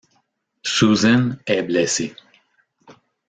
Susan est blessée.